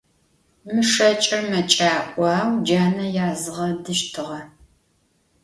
Mı şşeç'ır meç'a'o, au cane yazğedıştığe.